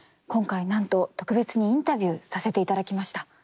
今回なんと特別にインタビューさせていただきました。